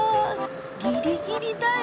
ギリギリだよ。